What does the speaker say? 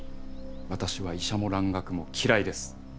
私は医者も蘭学も嫌いです！